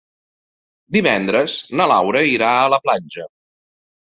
Divendres na Laura irà a la platja.